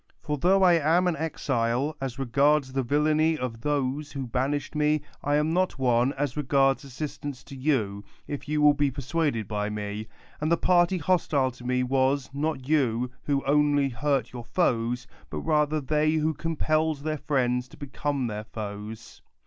For tho I am an exile, as regards the villainy of those who banished me, I am not one, as regards assistance to you, if you will be persuaded by me ; and the party hostile to me was, not you, who only hurt your foes, but rather they who coTiipellcd th( ir friends to become their foes.